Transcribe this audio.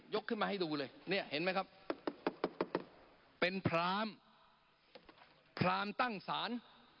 ขึ้นมาให้ดูเลยเนี่ยเห็นไหมครับเป็นพรามพรามตั้งศาล